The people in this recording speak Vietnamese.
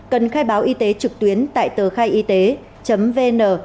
cần khai báo y tế trực tuyến tại tờ khai y tế vn